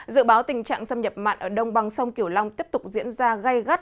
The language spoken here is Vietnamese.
dự báo tình trạng xâm nhập mặn ở đông bằng sông kiểu long tiếp tục diễn ra gây gắt